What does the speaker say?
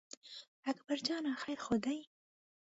اکبر جانه خیر خو دی.